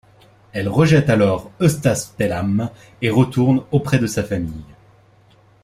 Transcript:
Elle rejette alors Eustace Pelham et retourne auprès de sa famille.